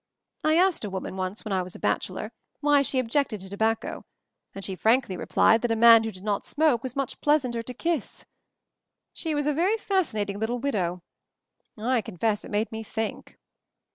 I asked a wo man once — when I was a bachelor — why she objected to tobacco, and she frankly replied that a man who did not smoke was much pleasanter to kiss I She was a very fascinat ing little widow — I confess it made me think."